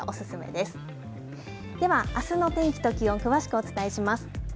では、あすの天気と気温詳しくお伝えします。